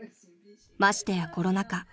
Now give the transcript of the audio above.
［ましてやコロナ禍］